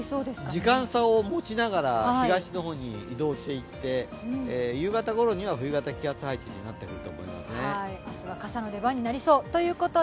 時間差を持ちながら東の方へ移動していって、夕方には冬型気圧配置になりそうです。